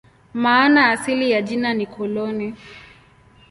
Maana asili ya jina ni "koloni".